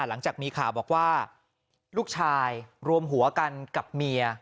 หลังจากมีข่าวบอกว่าลูกชายรวมหัวกันกับเมีย